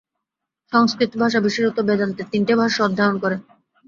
সংস্কৃত ভাষা বিশেষত বেদান্তের তিনটে ভাষ্য অধ্যয়ন কর।